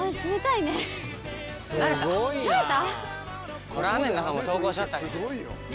慣れた？